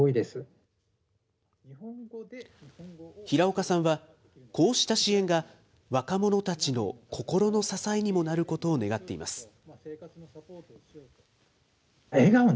平岡さんは、こうした支援が若者たちの心の支えにもなることを願っています。